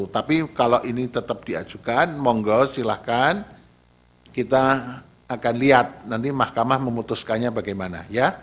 tapi kalau ini tetap diajukan monggo silahkan kita akan lihat nanti mahkamah memutuskannya bagaimana ya